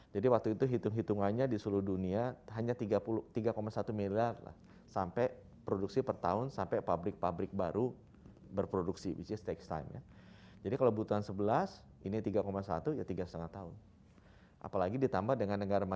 jangan lupa subscribe damn honda bro